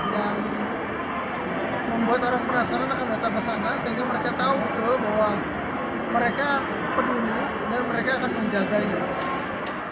dan membuat orang penasaran akan datang ke sana sehingga mereka tahu bahwa mereka penuhnya dan mereka akan menjaganya